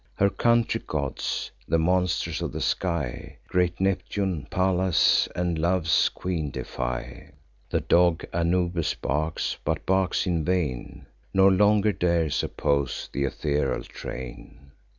Her country gods, the monsters of the sky, Great Neptune, Pallas, and Love's Queen defy: The dog Anubis barks, but barks in vain, Nor longer dares oppose th' ethereal train.